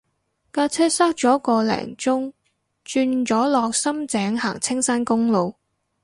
架車塞咗個零鐘轉咗落深井行青山公路